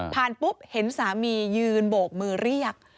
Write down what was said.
ปุ๊บเห็นสามียืนโบกมือเรียก